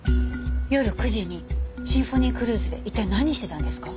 夜９時にシンフォニークルーズで一体何してたんですか？